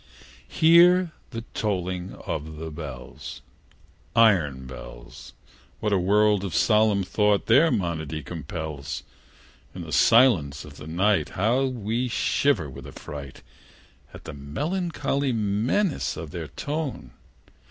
IV. Hear the tolling of the bells Iron bells! What a world of solemn thought their monody compels! In the silence of the night, How we shiver with affright At the melancholy menace of their tone!